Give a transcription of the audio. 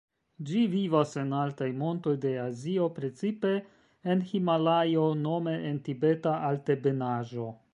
Ĝi vivas en altaj montoj de Azio, precipe en Himalajo, nome en Tibeta Altebenaĵo.